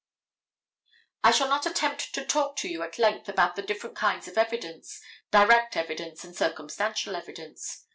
I shall not attempt to talk to you at length about the different kinds of evidence, direct evidence and circumstantial evidence.